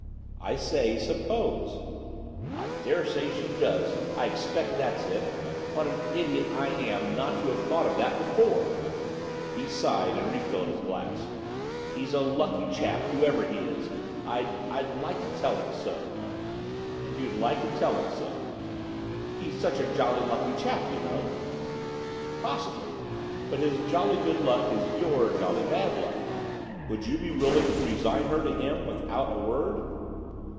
'I say, suppose.' 'I dare say she does. I expect that's it. What an idiot I am not to have thought of that before.' He sighed, and refilled his glass. 'He's a lucky chap, whoever he is. I'd I'd like to tell him so.' 'You'd like to tell him so?' 'He's such a jolly lucky chap, you know.' 'Possibly, but his jolly good luck is your jolly bad luck. Would you be willing to resign her to him without a word?